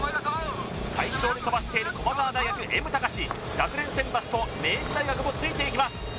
快調に飛ばしている駒澤大学Ｍ高史学連選抜と明治大学もついていきます